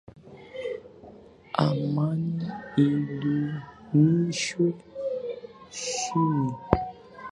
Amani idhumishwe nchini.